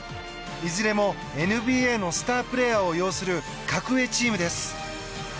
いずれも、ＮＢＡのスタープレーヤーを擁する格上チームです。